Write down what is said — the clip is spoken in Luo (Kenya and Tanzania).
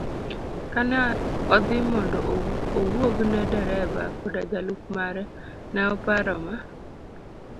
Kane odhi mondo owuog ne dereba koda jalup mare, ne oparo Ma.